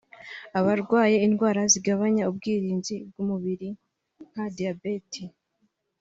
Abarwaye indwara zigabanya ubwirinzi bw’umubiri nka diyabete